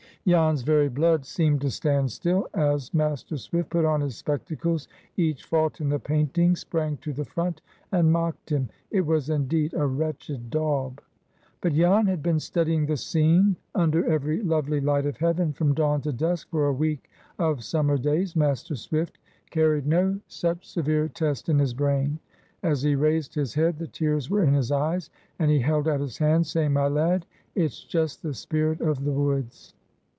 Jan's very blood seemed to stand still. As Master Swift put on his spectacles, each fault in the painting sprang to the front and mocked him. It was indeed a wretched daub! But Jan had been studying the scene under every lovely light of heaven from dawn to dusk for a week of summer days: Master Swift carried no such severe test in his brain. As he raised his head, the tears were in his eyes, and he held out his hand, saying, "My lad, it's just the spirit of the woods.